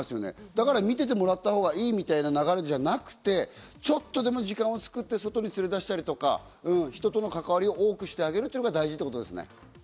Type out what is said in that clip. だから見ててもらったほうがいいみたいな流れじゃなくて、ちょっとでも時間を作って、外に連れ出したりとか、人との関わりを多くしてあげることが大事ということですね。